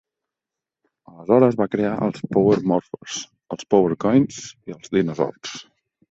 Aleshores va crear els Power Morphers, els Power Coins i els Dinozords.